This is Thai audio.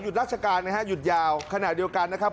ราชการนะฮะหยุดยาวขณะเดียวกันนะครับ